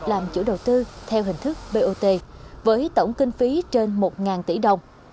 làm chủ đầu tư theo hình thức bot với tổng kinh phí trên một tỷ đồng